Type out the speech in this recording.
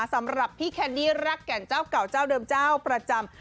สำหรับพี่แคนดี้รักแก่นเจ้าเก่าเจ้าเดิมเจ้าประจำ